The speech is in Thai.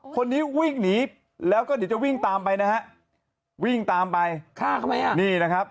คนนี้วิ่งหนีแล้วก็เดี๋ยวจะวิ่งตามไปนะฮะวิ่งตามไปฆ่าเขาไหมอ่ะนี่นะครับ